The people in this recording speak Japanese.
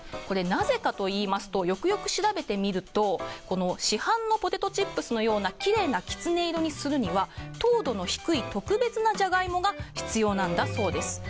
なぜかといいますとよくよく調べてみると市販のポテトチップスのようなきれいなきつね色にするには糖度の低い特別なジャガイモが必要なんだそうです。